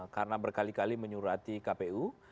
karena berkali kali menyuruh hati kpu